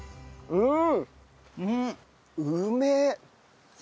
うん！